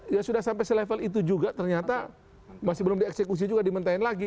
ya sudah sampai selevel itu juga ternyata masih belum dieksekusi juga dimintain lagi